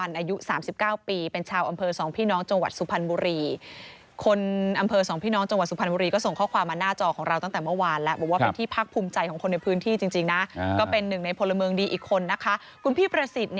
เรากลัวไหมเราก็กลัวครับ